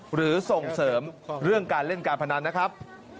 หรือส่งเสริมเรื่องการเล่นการพนันนะครับ